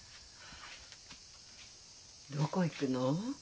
どこ行くの？